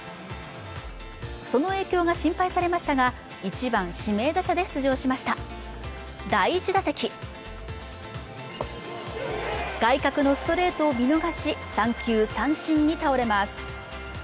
その影響が心配されましたが１番指名打者で出場しました第１打席外角のストレートを見逃し３球三振に倒れます